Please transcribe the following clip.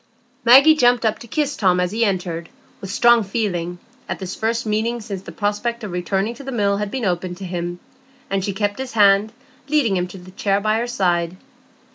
Maggie jumped up to kiss Tom as he entered, with strong feeling, at this first meeting since the prospect of returning to the Mill had been opened to him; and she kept his hand, leading him to the chair by her side.